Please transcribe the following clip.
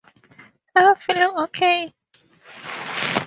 I'm feeling okay.